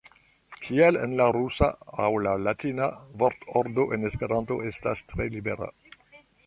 Kiel en la rusa aŭ la latina, vortordo en Esperanto estas tre libera.